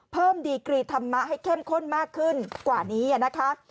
เพิ่มดีกรีธรรมะให้เข้มข้นมากขึ้นกว่านี้นะคะ